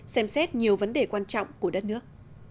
xem xét nhiều vấn đề quan trọng của đất nước